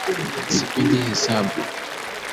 Sipendi hesabu